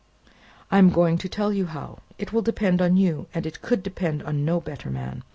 "I am going to tell you how. It will depend on you, and it could depend on no better man.